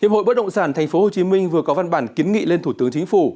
hiệp hội bất động sản tp hcm vừa có văn bản kiến nghị lên thủ tướng chính phủ